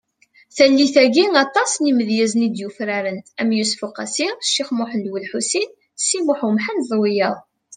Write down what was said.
Tallit-agi, aṭas n yimedyazen i d-yufraren am Yusef Uqasi , Cix Muhend Ulḥusin Si Muḥend Umḥend d wiyaḍ .